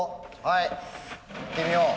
はいいってみよう。